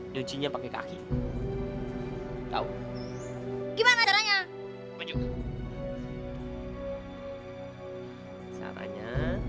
lucunya pakai kaki kau gimana caranya